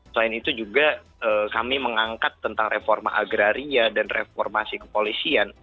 selain itu juga kami mengangkat tentang reforma agraria dan reformasi kepolisian